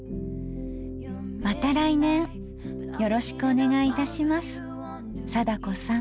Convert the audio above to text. また来年よろしくお願いいたします貞子さん。